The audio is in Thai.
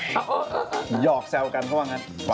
หยอกแซวกันว่ะบ้างครับ